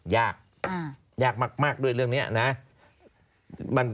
ยากยากมากด้วยเรื่องนี้นะ